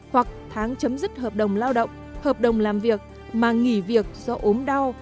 hoặc tháng chấm dứt hợp đồng lao động hợp đồng làm việc mà nghỉ việc do ốm đau